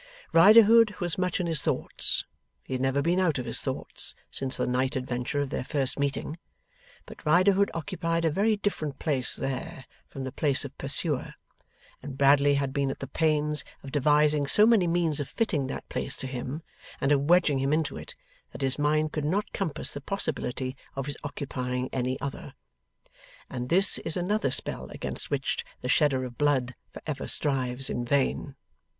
Riderhood was much in his thoughts had never been out of his thoughts since the night adventure of their first meeting; but Riderhood occupied a very different place there, from the place of pursuer; and Bradley had been at the pains of devising so many means of fitting that place to him, and of wedging him into it, that his mind could not compass the possibility of his occupying any other. And this is another spell against which the shedder of blood for ever strives in vain.